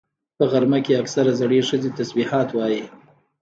په غرمه کې اکثره زړې ښځې تسبيحات وایي